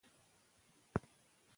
ځوانان په رواني ستونزو اخته دي.